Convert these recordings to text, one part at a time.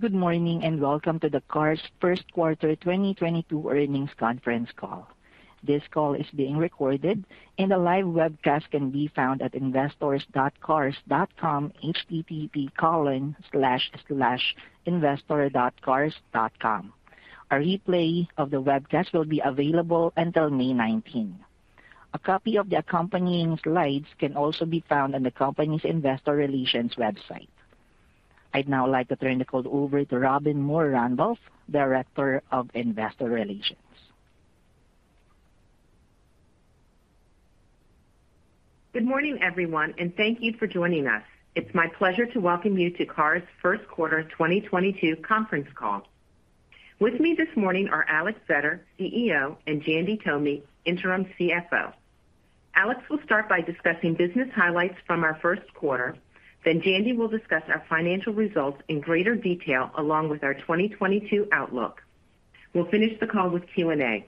Good morning, and welcome to the Cars Q1 2022 earnings conference call. This call is being recorded and a live webcast can be found at investors.cars.com http://investors.cars.com. A replay of the webcast will be available until May 19. A copy of the accompanying slides can also be found on the company's investor relations website. I'd now like to turn the call over to Robbin Moore-Randolph, Director of Investor Relations. Good morning, everyone, and thank you for joining us. It's my pleasure to welcome you to Cars Q1 2022 conference call. With me this morning are Alex Vetter, CEO, and Jandy Tomy, Interim CFO. Alex will start by discussing business highlights from our Q1, then Jandy will discuss our financial results in greater detail along with our 2022 outlook. We'll finish the call with Q&A.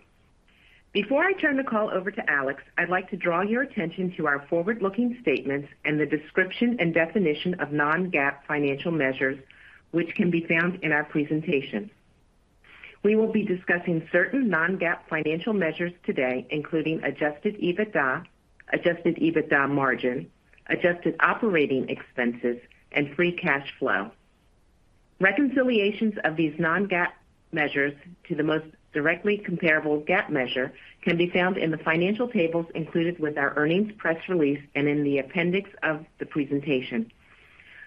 Before I turn the call over to Alex, I'd like to draw your attention to our forward-looking statements and the description and definition of non-GAAP financial measures, which can be found in our presentation. We will be discussing certain non-GAAP financial measures today, including adjusted EBITDA, adjusted EBITDA margin, adjusted operating expenses, and free cash flow. Reconciliations of these non-GAAP measures to the most directly comparable GAAP measure can be found in the financial tables included with our earnings press release and in the appendix of the presentation.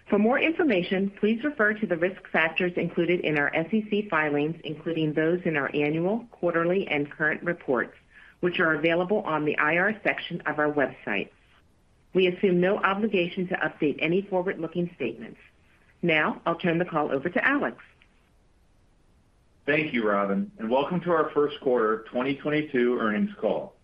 For more information, please refer to the risk factors included in our SEC filings, including those in our annual, quarterly, and current reports, which are available on the IR section of our website. We assume no obligation to update any forward-looking statements. Now, I'll turn the call over to Alex. Thank you, Robbin, and welcome to our Q1 2022 earnings call.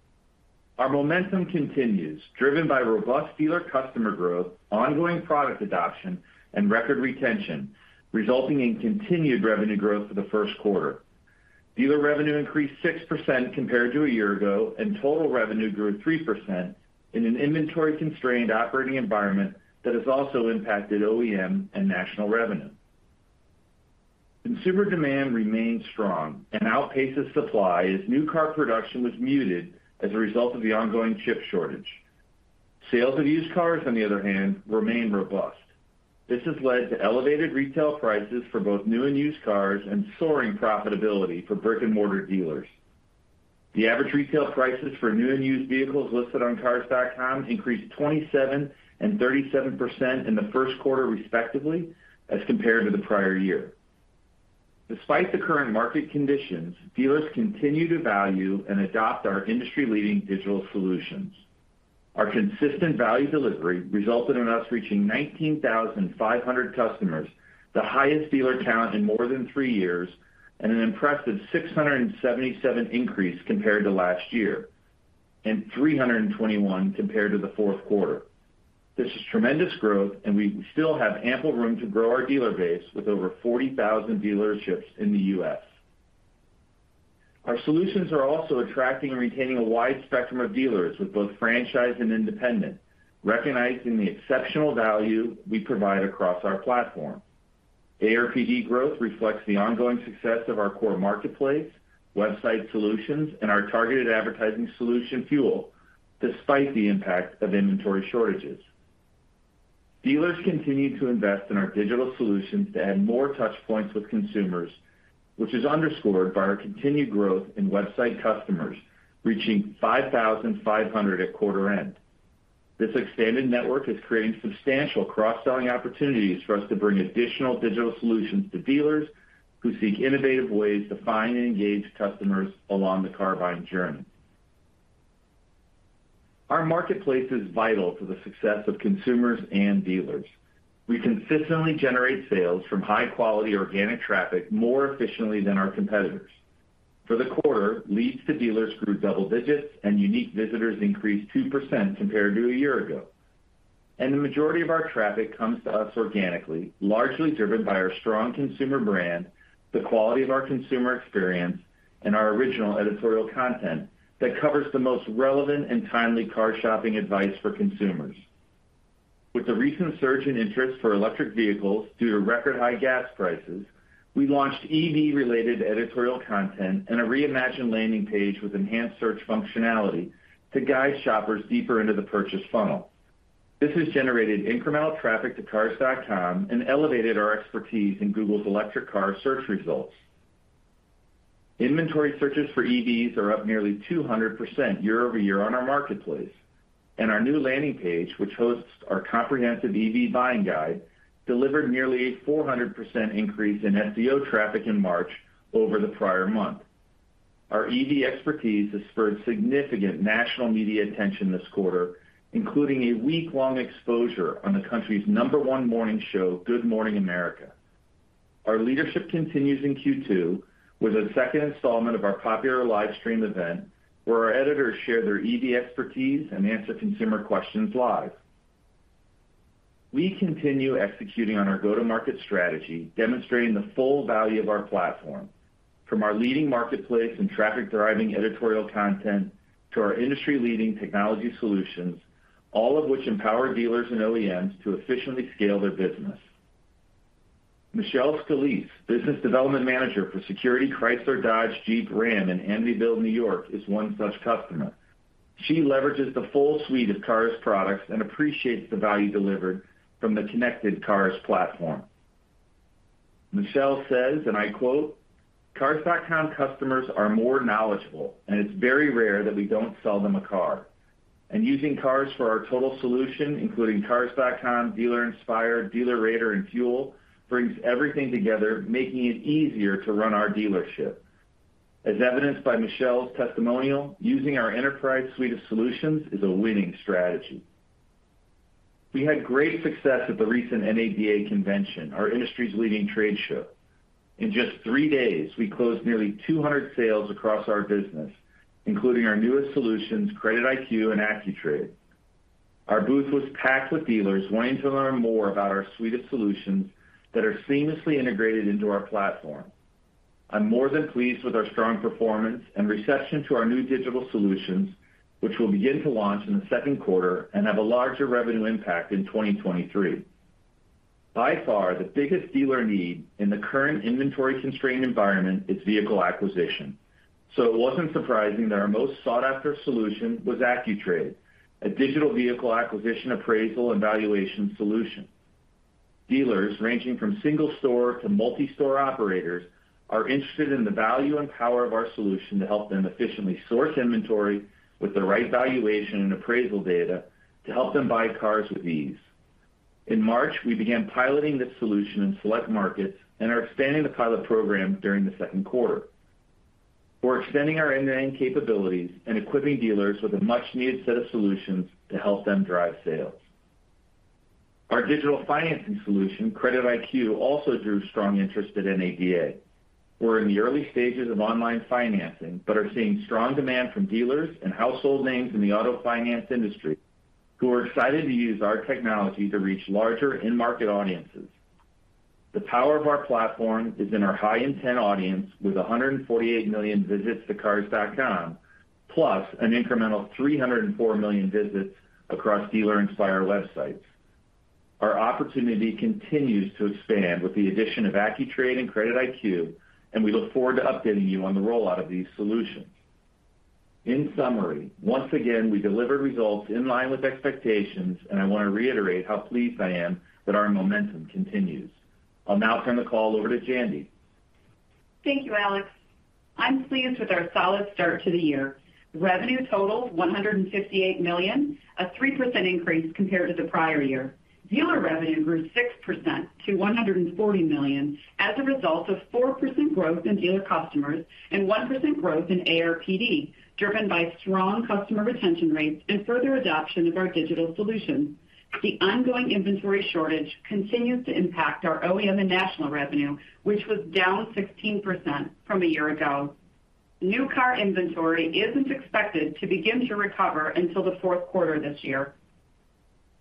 Our momentum continues, driven by robust dealer customer growth, ongoing product adoption, and record retention, resulting in continued revenue growth for the Q1. Dealer revenue increased 6% compared to a year ago, and total revenue grew 3% in an inventory-constrained operating environment that has also impacted OEM and national revenue. Consumer demand remains strong and outpaces supply as new car production was muted as a result of the ongoing chip shortage. Sales of used cars, on the other hand, remain robust. This has led to elevated retail prices for both new and used cars and soaring profitability for brick-and-mortar dealers. The average retail prices for new and used vehicles listed on Cars.com increased 27% and 37% in the Q1, respectively, as compared to the prior year. Despite the current market conditions, dealers continue to value and adopt our industry-leading digital solutions. Our consistent value delivery resulted in us reaching 19,500 customers, the highest dealer count in more than 3 years, and an impressive 677 increase compared to last year, and 321 compared to the Q4. This is tremendous growth, and we still have ample room to grow our dealer base with over 40,000 dealerships in the U.S. Our solutions are also attracting and retaining a wide spectrum of dealers with both franchise and independent, recognizing the exceptional value we provide across our platform. ARPD growth reflects the ongoing success of our core marketplace, website solutions, and our targeted advertising solution, Fuel, despite the impact of inventory shortages. Dealers continue to invest in our digital solutions to add more touch points with consumers, which is underscored by our continued growth in website customers, reaching 5,500 at quarter end. This expanded network is creating substantial cross-selling opportunities for us to bring additional digital solutions to dealers who seek innovative ways to find and engage customers along the car buying journey. Our marketplace is vital to the success of consumers and dealers. We consistently generate sales from high-quality organic traffic more efficiently than our competitors. For the quarter, leads to dealers grew double digits and unique visitors increased 2% compared to a year ago. The majority of our traffic comes to us organically, largely driven by our strong consumer brand, the quality of our consumer experience, and our original editorial content that covers the most relevant and timely car shopping advice for consumers. With the recent surge in interest for electric vehicles due to record high gas prices, we launched EV-related editorial content and a reimagined landing page with enhanced search functionality to guide shoppers deeper into the purchase funnel. This has generated incremental traffic to Cars.com and elevated our expertise in Google's electric car search results. Inventory searches for EVs are up nearly 200% year-over-year on our marketplace. Our new landing page, which hosts our comprehensive EV buying guide, delivered nearly a 400% increase in FCO traffic in March over the prior month. Our EV expertise has spurred significant national media attention this quarter, including a week-long exposure on the country's number one morning show, Good Morning America. Our leadership continues in Q2 with a second installment of our popular live stream event, where our editors share their EV expertise and answer consumer questions live. We continue executing on our go-to-market strategy, demonstrating the full value of our platform, from our leading marketplace and traffic-driving editorial content to our industry-leading technology solutions. All of which empower dealers and OEMs to efficiently scale their business. Michelle Scalisi, Business Development Manager for Security Chrysler Dodge Jeep Ram in Amityville, New York, is one such customer. She leverages the full suite of CARS products and appreciates the value delivered from the connected CARS platform. Michelle says, and I quote, "Cars.com customers are more knowledgeable, and it's very rare that we don't sell them a car. Using CARS for our total solution, including Cars.com, Dealer Inspire, DealerRater, and FUEL brings everything together, making it easier to run our dealership." As evidenced by Michelle's testimonial, using our enterprise suite of solutions is a winning strategy. We had great success at the recent NADA convention, our industry's leading trade show. In just three days, we closed nearly 200 sales across our business, including our newest solutions, CreditIQ and Accu-Trade. Our booth was packed with dealers wanting to learn more about our suite of solutions that are seamlessly integrated into our platform. I'm more than pleased with our strong performance and reception to our new digital solutions, which will begin to launch in the Q2 and have a larger revenue impact in 2023. By far, the biggest dealer need in the current inventory constrained environment is vehicle acquisition. It wasn't surprising that our most sought after solution was Accu-Trade, a digital vehicle acquisition, appraisal, and valuation solution. Dealers ranging from single store to multi-store operators are interested in the value and power of our solution to help them efficiently source inventory with the right valuation and appraisal data to help them buy cars with ease. In March, we began piloting this solution in select markets and are expanding the pilot program during the Q2. We're extending our end-to-end capabilities and equipping dealers with a much needed set of solutions to help them drive sales. Our digital financing solution, CreditIQ, also drew strong interest at NADA. We're in the early stages of online financing, but are seeing strong demand from dealers and household names in the auto finance industry who are excited to use our technology to reach larger end market audiences. The power of our platform is in our high intent audience with 148 million visits to Cars.com, plus an incremental 304 million visits across Dealer Inspire websites. Our opportunity continues to expand with the addition of Accu-Trade and CreditIQ, and we look forward to updating you on the rollout of these solutions. In summary, once again, we delivered results in line with expectations, and I want to reiterate how pleased I am that our momentum continues. I'll now turn the call over to Jandy. Thank you, Alex. I'm pleased with our solid start to the year. Revenue totaled $158 million, a 3% increase compared to the prior year. Dealer revenue grew 6% to $140 million as a result of 4% growth in dealer customers and 1% growth in ARPD, driven by strong customer retention rates and further adoption of our digital solutions. The ongoing inventory shortage continues to impact our OEM and national revenue, which was down 16% from a year ago. New car inventory isn't expected to begin to recover until the Q4 this year.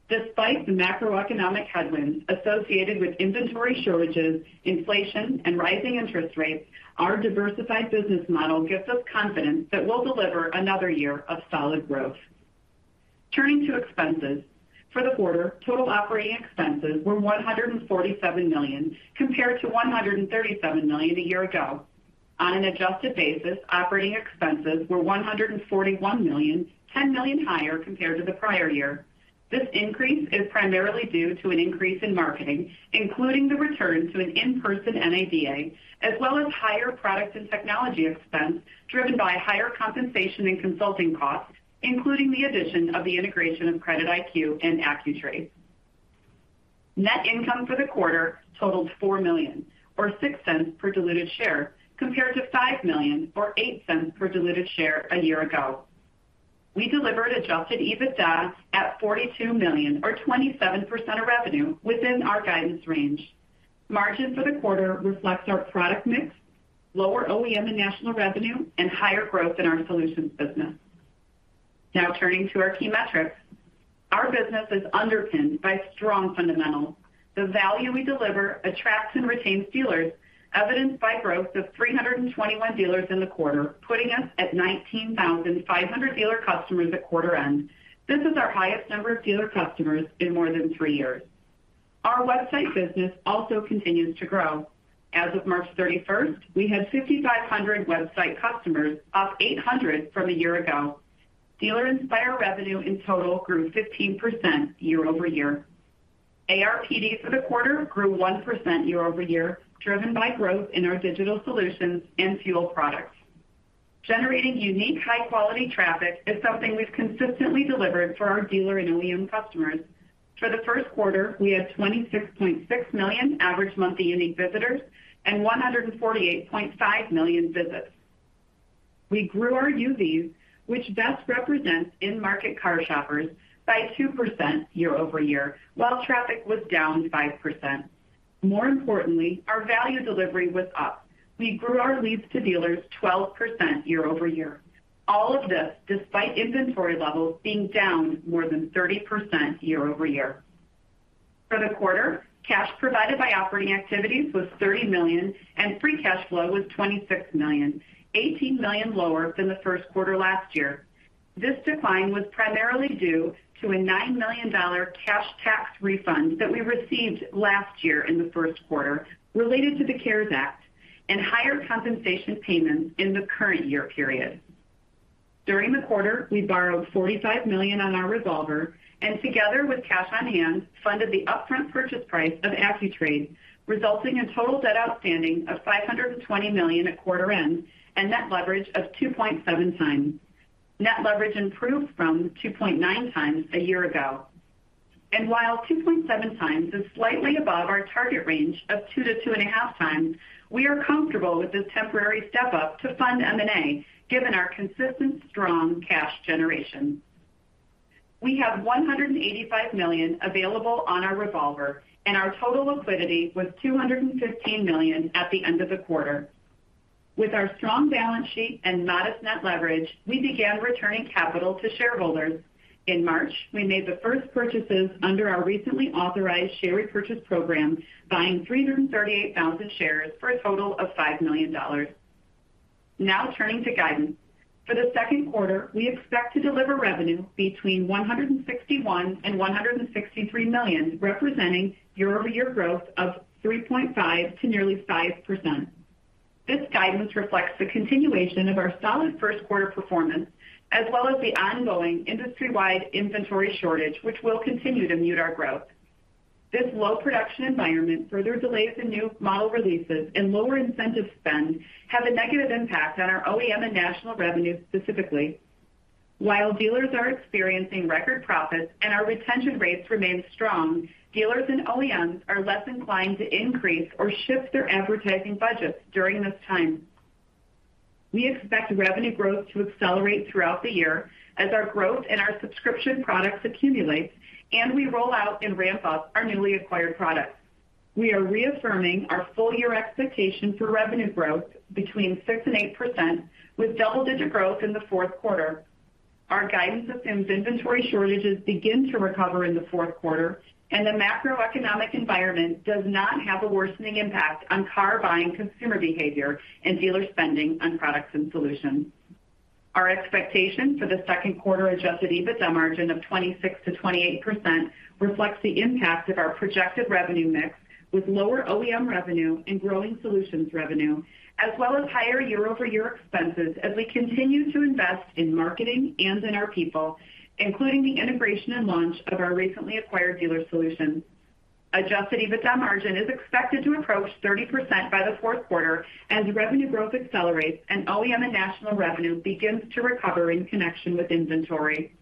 Despite the macroeconomic headwinds associated with inventory shortages, inflation, and rising interest rates, our diversified business model gives us confidence that we'll deliver another year of solid growth. Turning to expenses. For the quarter, total operating expenses were $147 million compared to $137 million a year ago. On an adjusted basis, operating expenses were $141 million, $10 million higher compared to the prior year. This increase is primarily due to an increase in marketing, including the return to an in-person NADA, as well as higher product and technology expense driven by higher compensation and consulting costs, including the addition of the integration of CreditIQ and Accu-Trade. Net income for the quarter totaled $4 million or $0.06 per diluted share, compared to $5 million or $0.08 per diluted share a year ago. We delivered adjusted EBITDA of $42 million or 27% of revenue within our guidance range. Margin for the quarter reflects our product mix, lower OEM and national revenue, and higher growth in our solutions business. Now turning to our key metrics. Our business is underpinned by strong fundamentals. The value we deliver attracts and retains dealers, evidenced by growth of 321 dealers in the quarter, putting us at 19,500 dealer customers at quarter end. This is our highest number of dealer customers in more than three years. Our website business also continues to grow. As of March 31, we had 5,500 website customers, up 800 from a year ago. Dealer Inspire revenue in total grew 15% year-over-year. ARPD for the quarter grew 1% year-over-year, driven by growth in our digital solutions and fuel products. Generating unique, high quality traffic is something we've consistently delivered for our dealer and OEM customers. For the Q1, we had 26.6 million average monthly unique visitors and 148.5 million visits. We grew our UVs, which best represents in-market car shoppers, by 2% year-over-year, while traffic was down 5%. More importantly, our value delivery was up. We grew our leads to dealers 12% year-over-year. All of this despite inventory levels being down more than 30% year-over-year. For the quarter, cash provided by operating activities was $30 million, and free cash flow was $26 million, $18 million lower than the Q1 last year. This decline was primarily due to a $9 million cash tax refund that we received last year in the Q1 related to the CARES Act and higher compensation payments in the current year period. During the quarter, we borrowed $45 million on our revolver, and together with cash on hand, funded the upfront purchase price of Accu-Trade, resulting in total debt outstanding of $520 million at quarter end and net leverage of 2.7x. Net leverage improved from 2.9x a year ago. While 2.7x is slightly above our target range of 2-2.5x, we are comfortable with this temporary step-up to fund M&A, given our consistent strong cash generation. We have $185 million available on our revolver, and our total liquidity was $215 million at the end of the quarter. With our strong balance sheet and modest net leverage, we began returning capital to shareholders. In March, we made the first purchases under our recently authorized share repurchase program, buying 338,000 shares for a total of $5 million. Now turning to guidance. For the Q2, we expect to deliver revenue between $161 million and $163 million, representing year-over-year growth of 3.5% to nearly 5%. This guidance reflects the continuation of our solid Q1 performance, as well as the ongoing industry-wide inventory shortage, which will continue to mute our growth. This low production environment further delays the new model releases and lower incentive spend have a negative impact on our OEM and national revenue specifically. While dealers are experiencing record profits and our retention rates remain strong, dealers and OEMs are less inclined to increase or shift their advertising budgets during this time. We expect revenue growth to accelerate throughout the year as our growth in our subscription products accumulates, and we roll out and ramp up our newly acquired products. We are reaffirming our full-year expectation for revenue growth between 6% and 8%, with double-digit growth in the Q4. Our guidance assumes inventory shortages begin to recover in the Q4, and the macroeconomic environment does not have a worsening impact on car buying consumer behavior and dealer spending on products and solutions. Our expectation for the Q2 adjusted EBITDA margin of 26%-28% reflects the impact of our projected revenue mix with lower OEM revenue and growing solutions revenue, as well as higher year-over-year expenses as we continue to invest in marketing and in our people, including the integration and launch of our recently acquired dealer solutions. Adjusted EBITDA margin is expected to approach 30% by the Q4 as revenue growth accelerates and OEM and national revenue begins to recover in connection with inventory.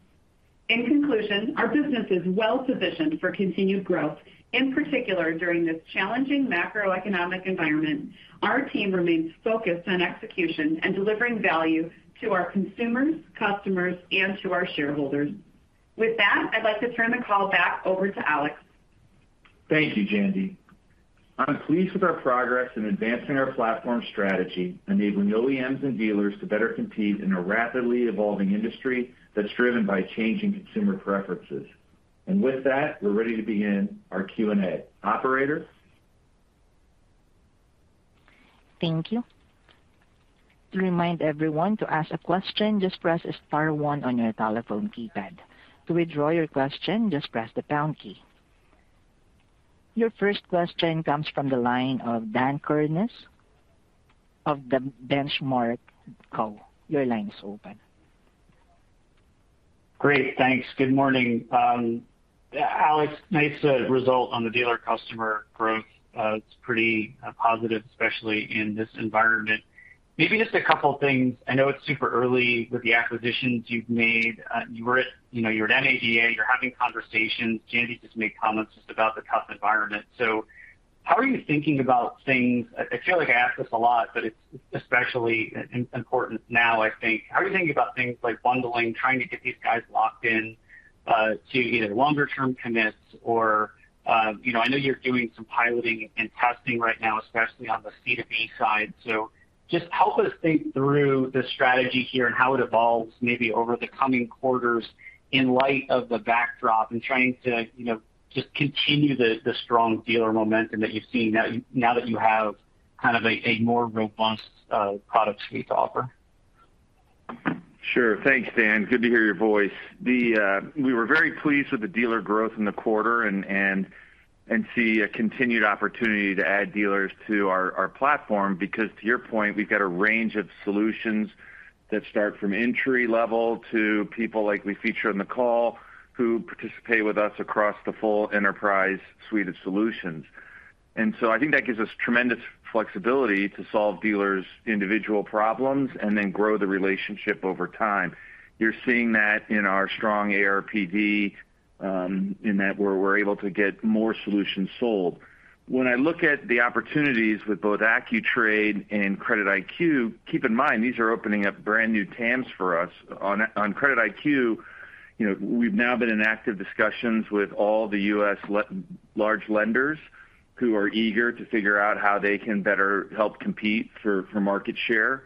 In conclusion, our business is well-positioned for continued growth. In particular, during this challenging macroeconomic environment, our team remains focused on execution and delivering value to our consumers, customers, and to our shareholders. With that, I'd like to turn the call back over to Alex. Thank you, Jandy. I'm pleased with our progress in advancing our platform strategy, enabling OEMs and dealers to better compete in a rapidly evolving industry that's driven by changing consumer preferences. With that, we are ready to begin our Q&A. Operator? Thank you. To remind everyone, to ask a question, just press star one on your telephone keypad. To withdraw your question, just press the pound key. Your first question comes from the line of Daniel Kurnos of The Benchmark Company. Your line is open. Great, thanks. Good morning. Alex, nice result on the dealer customer growth. It's pretty positive, especially in this environment. Maybe just a couple of things. I know it's super early with the acquisitions you've made. You know, you are at NADA, you're having conversations. Jandy just made comments just about the tough environment. How are you thinking about things? I feel like I ask this a lot, but it's especially important now, I think. How are you thinking about things like bundling, trying to get these guys locked in, to either longer term commits or, you know, I know you are doing some piloting and testing right now, especially on the C2B side. Just help us think through the strategy here and how it evolves maybe over the coming quarters in light of the backdrop and trying to, you know, just continue the strong dealer momentum that you've seen now that you have kind of a more robust product suite to offer. Sure. Thanks, Dan. Good to hear your voice. Then we were very pleased with the dealer growth in the quarter and see a continued opportunity to add dealers to our platform because to your point, we've got a range of solutions that start from entry level to people like we feature on the call who participate with us across the full enterprise suite of solutions. I think that gives us tremendous flexibility to solve dealers' individual problems and then grow the relationship over time. You are seeing that in our strong ARPD in that we're able to get more solutions sold. When I look at the opportunities with both Accu-Trade and CreditIQ, keep in mind, these are opening up brand new TAMs for us. On CreditIQ, you know, we've now been in active discussions with all the U.S. large lenders who are eager to figure out how they can better help compete for market share.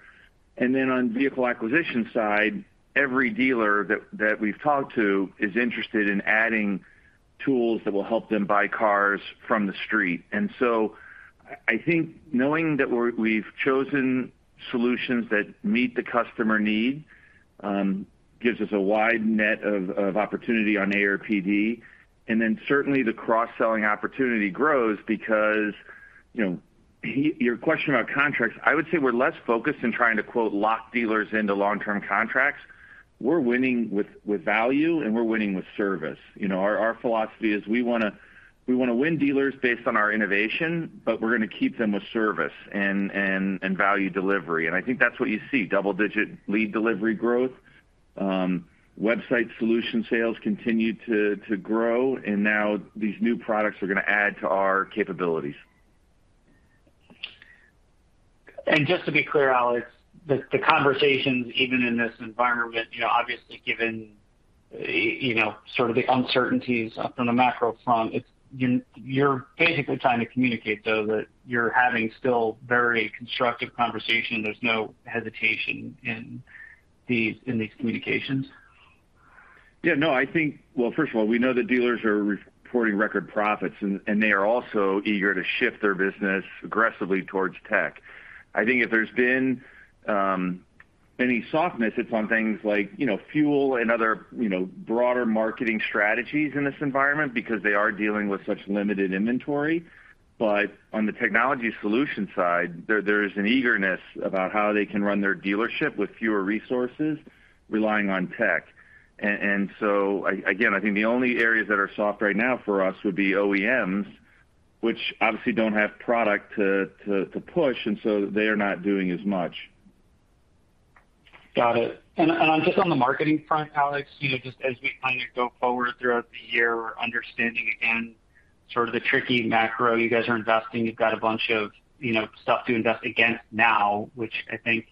Then on vehicle acquisition side, every dealer that we've talked to is interested in adding tools that will help them buy cars from the street. I think knowing that we have chosen solutions that meet the customer need gives us a wide net of opportunity on ARPD. Then certainly the cross-selling opportunity grows because, you know, your question about contracts, I would say we are less focused in trying to, quote, "lock dealers into long-term contracts." We're winning with value, and we're winning with service. You know, our philosophy is we wanna win dealers based on our innovation, but we're gonna keep them with service and value delivery. I think that's what you see, double-digit lead delivery growth. Website solution sales continue to grow, and now these new products are gonna add to our capabilities. Just to be clear, Alex, the conversations even in this environment, you know, obviously given you know, sort of the uncertainties from the macro front, you are basically trying to communicate though that you're having still very constructive conversation. There's no hesitation in these communications? Yeah, no, I think. Well, first of all, we know that dealers are reporting record profits and they are also eager to shift their business aggressively towards tech. I think if there's been any softness, it's on things like, you know, FUEL and other, you know, broader marketing strategies in this environment because they are dealing with such limited inventory. On the technology solution side, there is an eagerness about how they can run their dealership with fewer resources relying on tech. And so again, I think the only areas that are soft right now for us would be OEMs, which obviously don't have product to push, and so they are not doing as much. Got it. Just on the marketing front, Alex, you know, just as we kinda go forward throughout the year, we're understanding again sort of the tricky macro you guys are investing. You have got a bunch of, you know, stuff to invest against now, which I think,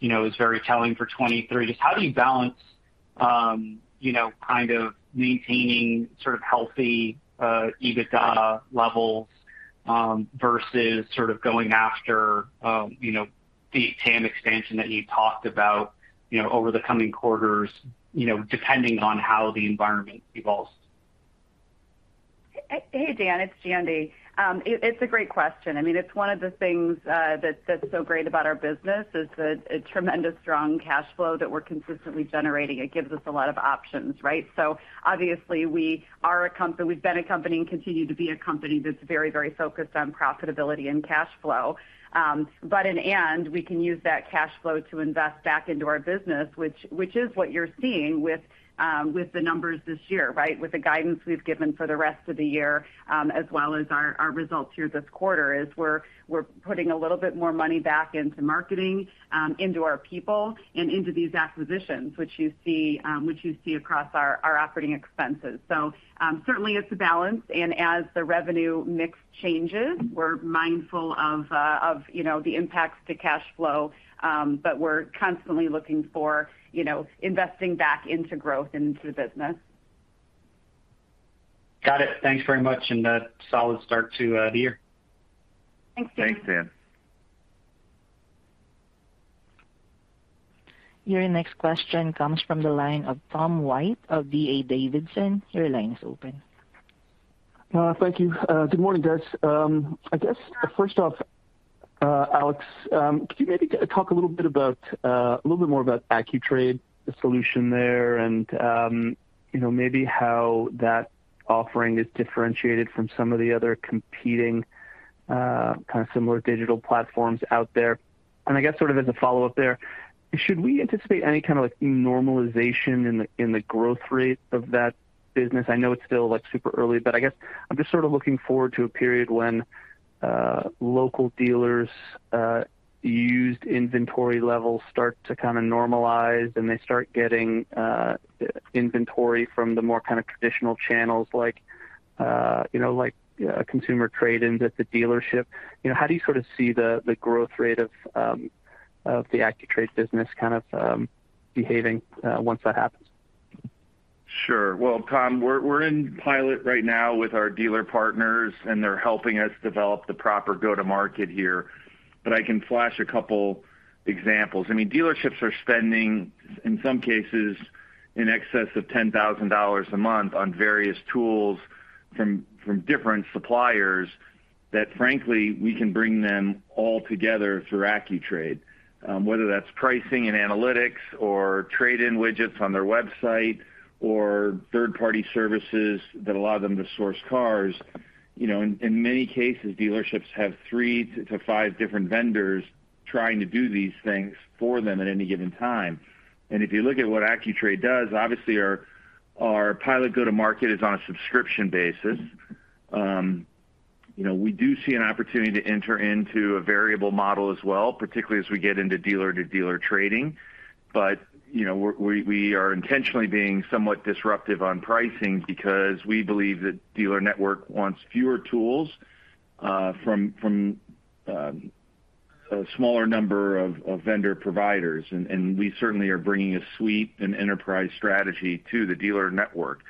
you know, is very telling for 2023. Just how do you balance, you know, kind of maintaining sort of healthy EBITDA levels, versus sort of going after, you know, the TAM expansion that you talked about, you know, over the coming quarters, you know, depending on how the environment evolves? Hey, Dan, it's Jandy. It's a great question. I mean, it's one of the things that's so great about our business is the tremendously strong cash flow that we're consistently generating. It gives us a lot of options, right? Obviously we've been a company and continue to be a company that's very, very focused on profitability and cash flow. But in the end, we can use that cash flow to invest back into our business, which is what you're seeing with the numbers this year, right? With the guidance we've given for the rest of the year, as well as our results here this quarter, we're putting a little bit more money back into marketing, into our people and into these acquisitions, which you see across our operating expenses. Certainly it's a balance, and as the revenue mix changes, we're mindful of you know the impacts to cash flow. We're constantly looking for you know investing back into growth into the business. Got it. Thanks very much, and a solid start to the year. Thanks, Dan. Thanks, Dan. Your next question comes from the line of Tom White of D.A. Davidson. Your line is open. Thank you. Good morning, guys. I guess first off, Alex, could you maybe talk a little bit about a little bit more about Accu-Trade, the solution there, and, you know, maybe how that offering is differentiated from some of the other competing, kind of similar digital platforms out there? I guess sort of as a follow-up there, should we anticipate any kind of like normalization in the growth rate of that business? I know it's still like super early, but I guess I'm just sort of looking forward to a period when local dealers' used inventory levels start to kinda normalize, and they start getting inventory from the more kinda traditional channels like, you know, like consumer trade-ins at the dealership. You know, how do you sort of see the growth rate of the Accu-Trade business kind of behaving once that happens? Sure. Well, Tom, we are in pilot right now with our dealer partners, and they're helping us develop the proper go-to-market here. I can flash a couple examples. I mean, dealerships are spending, in some cases, in excess of $10,000 a month on various tools from different suppliers that frankly, we can bring them all together through Accu-Trade. Whether that's pricing and analytics or trade-in widgets on their website or third-party services that allow them to source cars. You know, in many cases, dealerships have three to five different vendors trying to do these things for them at any given time. If you look at what Accu-Trade does, obviously our pilot go-to-market is on a subscription basis. You know, we do see an opportunity to enter into a variable model as well, particularly as we get into dealer-to-dealer trading. You know, we are intentionally being somewhat disruptive on pricing because we believe that dealer network wants fewer tools from a smaller number of vendor providers, and we certainly are bringing a suite and enterprise strategy to the dealer network.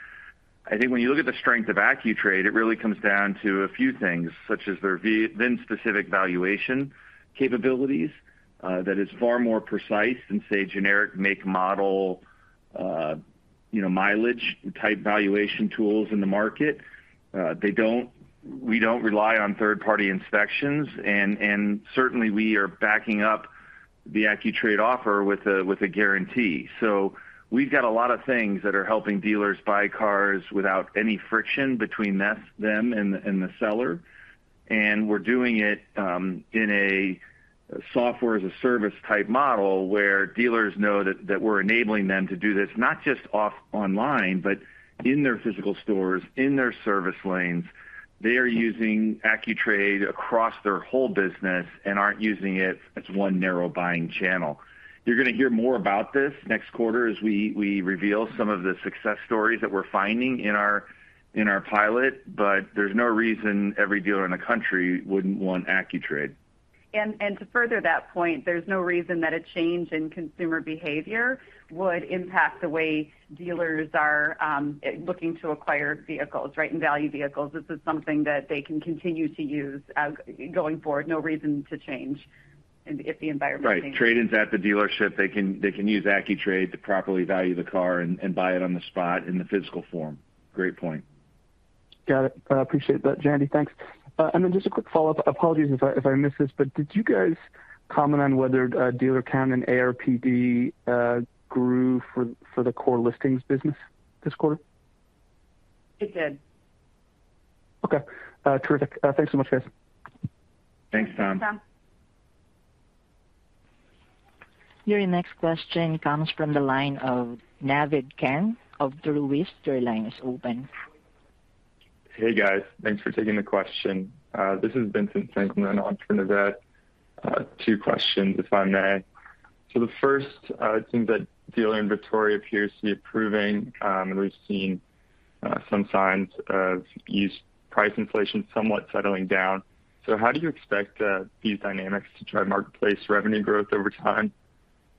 I think when you look at the strength of Accu-Trade, it really comes down to a few things, such as their VIN-specific valuation capabilities that is far more precise than, say, generic make, model, you know, mileage type valuation tools in the market. We don't rely on third-party inspections and certainly we are backing up the Accu-Trade offer with a guarantee. We've got a lot of things that are helping dealers buy cars without any friction between them and the seller. We are doing it in a Software as a Service type model where dealers know that we're enabling them to do this not just online but in their physical stores, in their service lanes. They are using Accu-Trade across their whole business and aren't using it as one narrow buying channel. You're gonna hear more about this next quarter as we reveal some of the success stories that we're finding in our pilot. There's no reason every dealer in the country wouldn't want Accu-Trade. To further that point, there's no reason that a change in consumer behavior would impact the way dealers are looking to acquire vehicles, right? Value vehicles. This is something that they can continue to use as going forward, no reason to change and if the environment changes. Right. Trade-ins at the dealership, they can use Accu-Trade to properly value the car and buy it on the spot in the physical form. Great point. Got it. I appreciate that, Jandy. Thanks. Just a quick follow-up. Apologies if I missed this, but did you guys comment on whether dealer count and ARPD grew for the core listings business this quarter? It did. Okay. Terrific. Thanks so much, guys. Thanks, Tom. Thanks, Tom. Your next question comes from the line of Naved Khan of Truist. Your line is open. Hey, guys. Thanks for taking the question. This is Naved Khan from B. Riley Securities. Two questions, if I may. The first, it seems that dealer inventory appears to be improving, and we've seen some signs of used price inflation somewhat settling down. How do you expect these dynamics to drive marketplace revenue growth over time?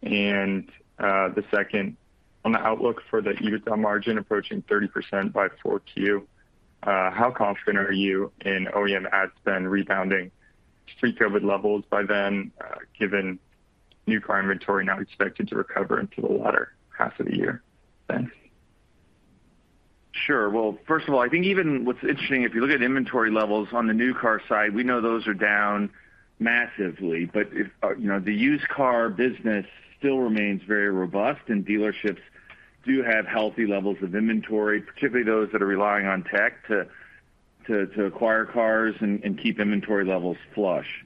The second, on the outlook for the EBITDA margin approaching 30% by Q4, how confident are you in OEM ad spend rebounding pre-COVID levels by then, given new car inventory now expected to recover into the latter half of the year? Thanks. Sure. Well, first of all, I think even what's interesting, if you look at inventory levels on the new car side, we know those are down massively. If you know, the used car business still remains very robust and dealerships do have healthy levels of inventory, particularly those that are relying on tech to acquire cars and keep inventory levels flush.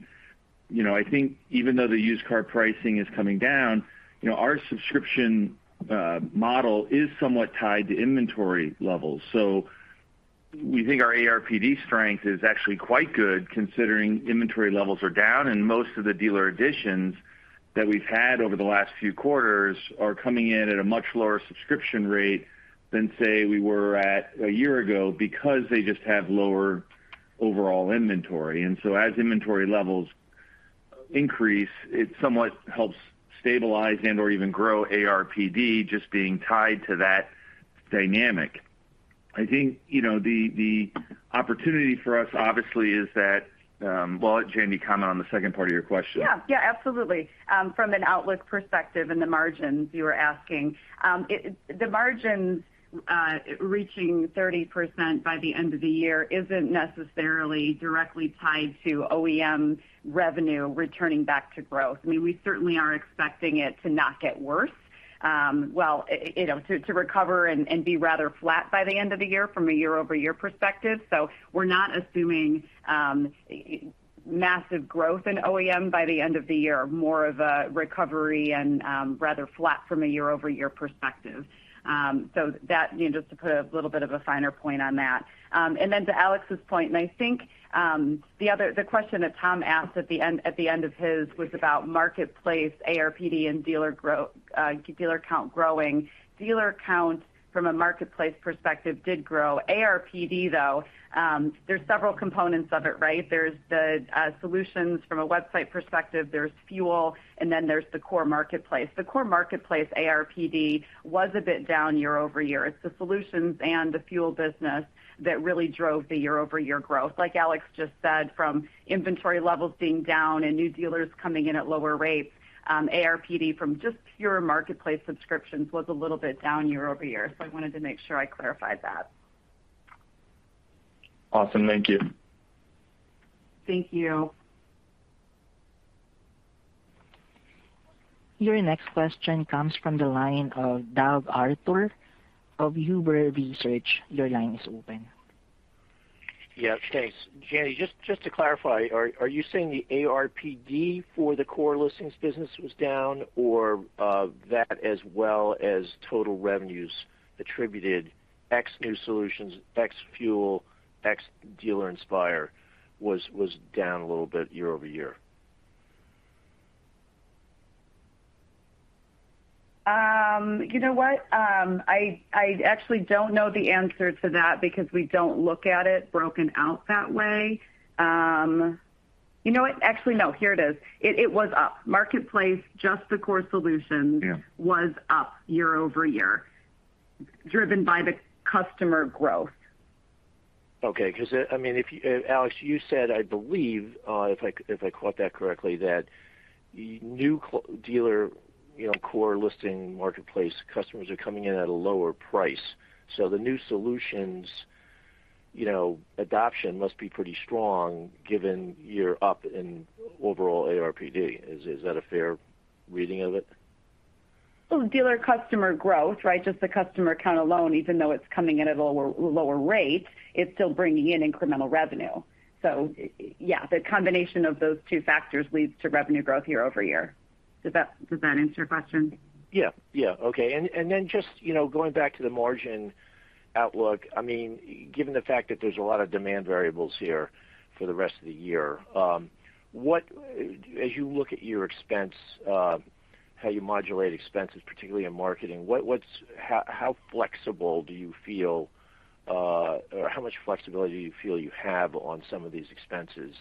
You know, I think even though the used car pricing is coming down, you know, our subscription model is somewhat tied to inventory levels. We think our ARPD strength is actually quite good considering inventory levels are down and most of the dealer additions that we've had over the last few quarters are coming in at a much lower subscription rate than, say, we were at a year ago because they just have lower overall inventory. As inventory levels increase, it somewhat helps stabilize and/or even grow ARPD just being tied to that dynamic. I think, you know, the opportunity for us obviously is that. Well, Jandy, comment on the second part of your question. Yeah. Yeah, absolutely. From an outlook perspective and the margins you were asking, the margins reaching 30% by the end of the year isn't necessarily directly tied to OEM revenue returning back to growth. I mean, we certainly are expecting it to not get worse. Well, it you know to recover and be rather flat by the end of the year from a year-over-year perspective. We are not assuming massive growth in OEM by the end of the year, more of a recovery and rather flat from a year-over-year perspective. That you know just to put a little bit of a finer point on that. To Alex's point, I think the question that Tom asked at the end of his was about marketplace ARPD and dealer count growing. Dealer count from a marketplace perspective did grow. ARPD, though, there's several components of it, right? There's the solutions from a website perspective, there's FUEL, and then there's the core marketplace. The core marketplace ARPD was a bit down year-over-year. It's the solutions and the FUEL business that really drove the year-over-year growth. Like Alex just said, from inventory levels being down and new dealers coming in at lower rates, ARPD from just pure marketplace subscriptions was a little bit down year-over-year. I wanted to make sure I clarified that. Awesome. Thank you. Thank you. Your next question comes from the line of Doug Arthur of Huber Research. Your line is open. Yeah, thanks. Jandy, just to clarify, are you saying the ARPD for the core listings business was down or that as well as total revenues attributed ex new solutions, ex FUEL, ex Dealer Inspire was down a little bit year over year? You know what? I actually don't know the answer to that because we don't look at it broken out that way. You know what? Actually, no, here it is. It was up. Marketplace, just the core solutions. Yeah was up year-over-year, driven by the customer growth. Okay. Because, I mean, if Alex, you said, I believe, if I caught that correctly, that new dealer, you know, core listing marketplace customers are coming in at a lower price. The new solutions, you know, adoption must be pretty strong given you're up in overall ARPD. Is that a fair reading of it? Well, dealer customer growth, right? Just the customer count alone, even though it's coming in at a lower rate, it's still bringing in incremental revenue. Yeah, the combination of those two factors leads to revenue growth year-over-year. Does that answer your question? Yeah, yeah. Okay. Then just, you know, going back to the margin outlook, I mean, given the fact that there's a lot of demand variables here for the rest of the year, as you look at your expense, how you modulate expenses, particularly in marketing, how flexible do you feel, or how much flexibility do you feel you have on some of these expenses,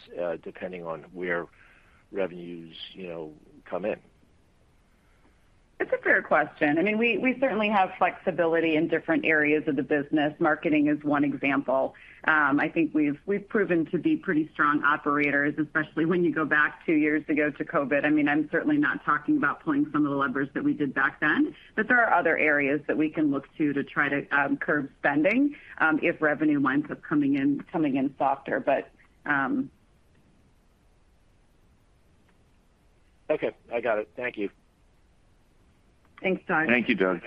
depending on where revenues, you know, come in? It's a fair question. I mean, we certainly have flexibility in different areas of the business. Marketing is one example. I think we've proven to be pretty strong operators, especially when you go back two years ago to COVID. I mean, I'm certainly not talking about pulling some of the levers that we did back then. There are other areas that we can look to try to curb spending if revenue winds up coming in softer. Okay, I got it. Thank you. Thanks, Doug. Thank you, Doug.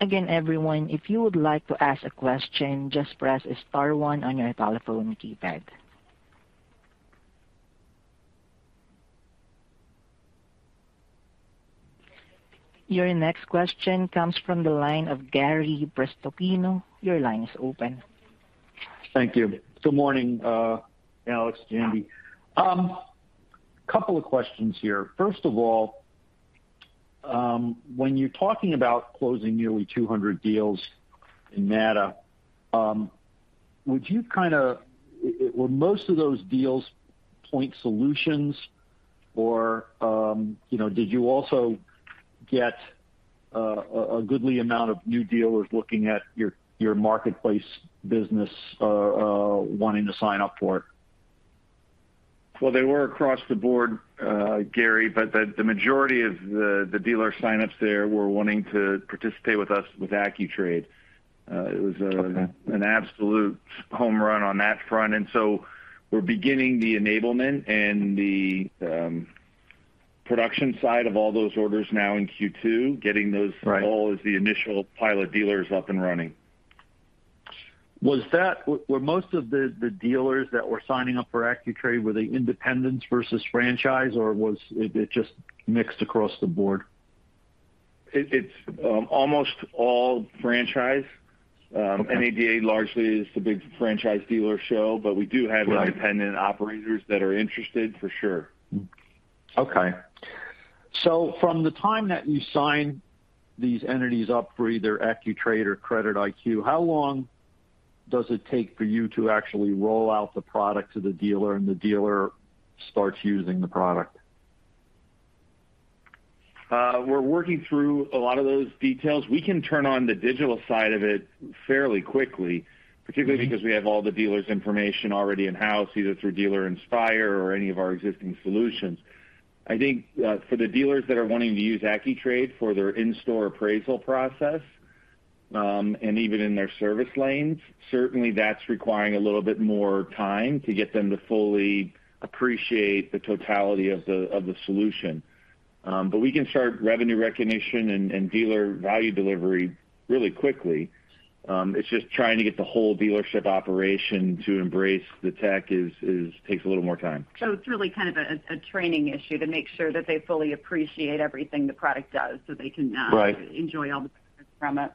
Again, everyone, if you would like to ask a question, just press star one on your telephone keypad. Your next question comes from the line of Gary Prestopino. Your line is open. Thank you. Good morning, Alex, Jandy. Couple of questions here. First of all, when you're talking about closing nearly 200 deals in NADA, were most of those deals point solutions or, you know, did you also get a goodly amount of new dealers looking at your marketplace business, wanting to sign up for it? Well, they were across the board, Gary, but the majority of the dealer sign-ups there were wanting to participate with us with Accu-Trade. Okay An absolute home run on that front. We're beginning the enablement and the production side of all those orders now in Q2, getting those. Right All of the initial pilot dealers up and running. Were most of the dealers that were signing up for Accu-Trade were they independents versus franchise, or was it just mixed across the board? It's almost all franchise. Okay NADA largely is the big franchise dealer show, but we do have. Right independent operators that are interested, for sure. Okay. From the time that you sign these entities up for either Accu-Trade or CreditIQ, how long does it take for you to actually roll out the product to the dealer and the dealer starts using the product? We are working through a lot of those details. We can turn on the digital side of it fairly quickly, particularly. Mm-hmm Because we have all the dealer's information already in-house, either through Dealer Inspire or any of our existing solutions. I think for the dealers that are wanting to use Accu-Trade for their in-store appraisal process, and even in their service lanes, certainly that's requiring a little bit more time to get them to fully appreciate the totality of the solution. We can start revenue recognition and dealer value delivery really quickly. It's just trying to get the whole dealership operation to embrace the tech is takes a little more time. It's really kind of a training issue to make sure that they fully appreciate everything the product does so they can. Right Enjoy all the benefits from it.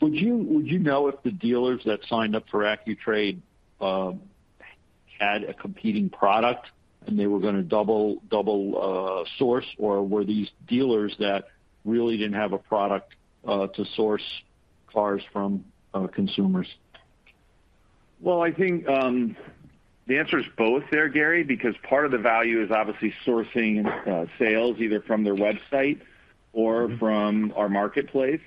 Would you know if the dealers that signed up for Accu-Trade had a competing product and they were gonna double source, or were these dealers that really didn't have a product to source cars from consumers? Well, I think the answer is both there, Gary, because part of the value is obviously sourcing sales either from their website or from our marketplace.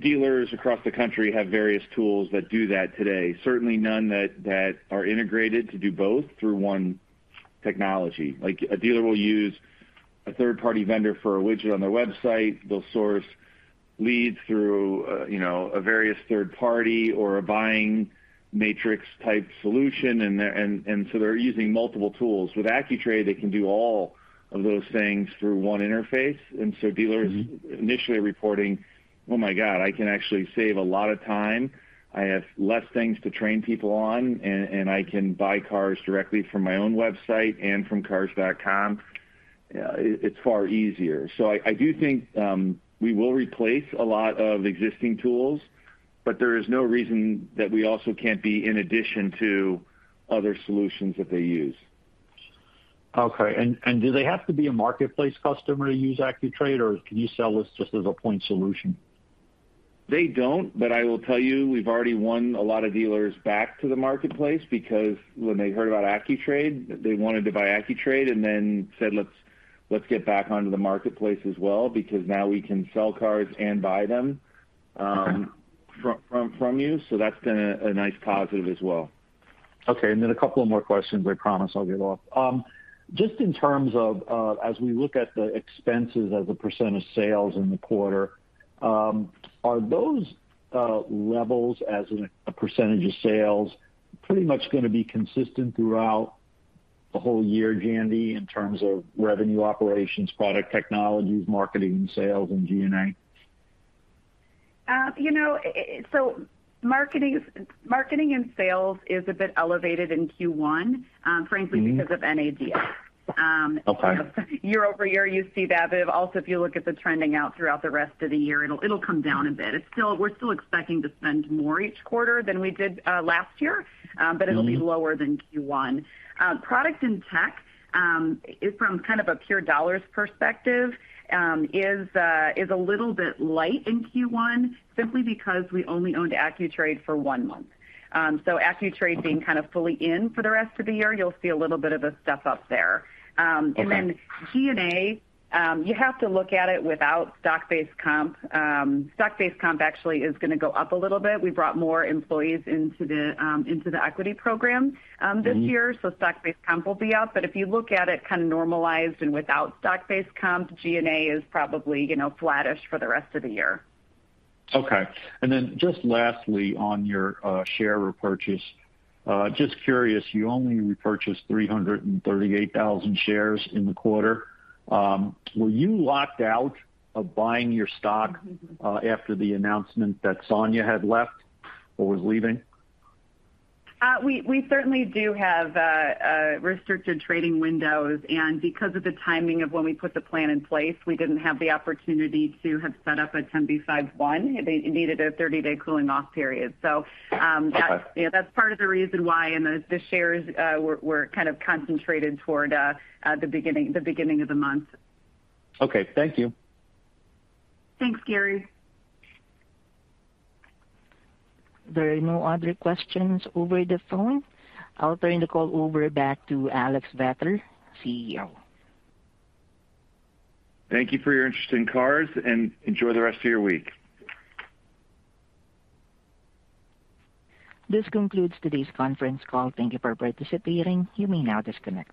Dealers across the country have various tools that do that today. Certainly none that are integrated to do both through one technology. Like, a dealer will use a third-party vendor for a widget on their website. They'll source leads through, you know, various third party or a buying matrix-type solution. They are using multiple tools. With Accu-Trade, they can do all of those things through one interface. Dealers- Mm-hmm Initially are reporting, "Oh my god, I can actually save a lot of time. I have less things to train people on, and I can buy cars directly from my own website and from Cars.com." Yeah, it's far easier. I do think we will replace a lot of existing tools, but there is no reason that we also can't be in addition to other solutions that they use. Okay. Do they have to be a marketplace customer to use Accu-Trade, or can you sell this just as a point solution? They don't. I will tell you, we've already won a lot of dealers back to the marketplace because when they heard about Accu-Trade, they wanted to buy Accu-Trade and then said, "Let's get back onto the marketplace as well, because now we can sell cars and buy them. Okay. from you. That's been a nice positive as well. Okay. A couple more questions, I promise I'll get off. Just in terms of, as we look at the expenses as a % of sales in the quarter, are those levels as a % of sales pretty much gonna be consistent throughout the whole year, Jandy, in terms of revenue operations, product technologies, marketing and sales, and G&A? You know, marketing and sales is a bit elevated in Q1, frankly. Mm-hmm. because of NADA. Okay. Year-over-year, you see that. Also, if you look at the trending out throughout the rest of the year, it'll come down a bit. It's still. We're still expecting to spend more each quarter than we did last year. Mm-hmm. be lower than Q1. Product and tech from kind of a pure dollars perspective is a little bit light in Q1 simply because we only owned Accu-Trade for one month. Accu-Trade being kind of fully in for the rest of the year, you'll see a little bit of a step up there. Okay. G&A, you have to look at it without stock-based comp. Stock-based comp actually is gonna go up a little bit. We brought more employees into the equity program this year. Mm-hmm. stock-based comp will be up. If you look at it kind of normalized and without stock-based comp, G&A is probably, you know, flattish for the rest of the year. Okay. Just lastly, on your share repurchase, just curious, you only repurchased 338,000 shares in the quarter. Were you locked out of buying your stock, after the announcement that Sonia had left or was leaving? We certainly do have restricted trading windows. Because of the timing of when we put the plan in place, we didn't have the opportunity to have set up a 10b5-1. It needed a 30-day cooling off period. Okay. You know, that's part of the reason why. The shares were kind of concentrated toward the beginning of the month. Okay. Thank you. Thanks, Gary. There are no other questions over the phone. I'll turn the call over back to Alex Vetter, CEO. Thank you for your interest in CARS, and enjoy the rest of your week. This concludes today's conference call. Thank you for participating. You may now disconnect.